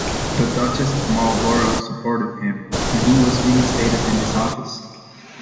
The Duchess of Marlborough supported him, and he was reinstated in his office.